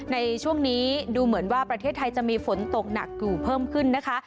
ในช่วงนี้ดูเหมือนว่าประเทศไทยจะมีฝนตกหนักอยู่เพิ่มขึ้นนะคะ